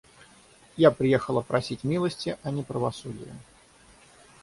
Я приехала просить милости, а не правосудия.